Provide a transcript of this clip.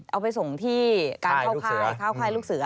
เอาไปส่งที่ข้าวค่ายลูกเสือ